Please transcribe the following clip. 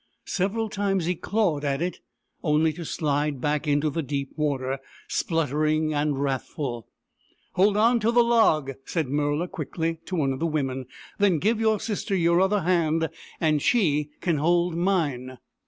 Several times he clawed at it, only to slide back into the deep water, spluttering and wrathful. " Hold on to the log," said Murla, quickly, to one of the women. " Then give your sister your other hand, and she can hold mine."